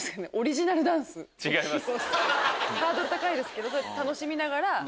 違います。